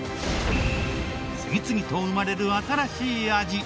次々と生まれる新しい味